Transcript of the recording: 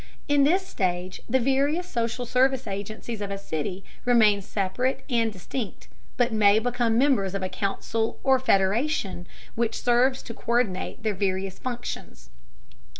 In this stage the various social service agencies of a city remain separate and distinct, but may become members of a council or federation which serves to co÷rdinate their various functions.